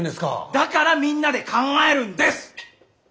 だからみんなで考えるんです！